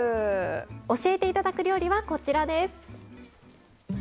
教えて頂く料理はこちらです。